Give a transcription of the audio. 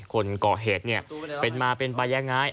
คนก่อเหตุเนี่ยเป็นมาเป็นไปยังไง